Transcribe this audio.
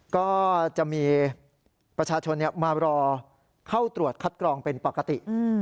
ก็จะมีประชาชนมารอเข้าตรวจคัดกรองเป็นปกติ